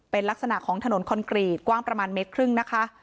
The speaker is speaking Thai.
เป็นลักษณะของถนนคอนกรีตกว้างประมาณเมตรครึ่งนะคะ